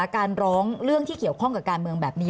การร้องเรื่องที่เกี่ยวข้องกับการเมืองแบบนี้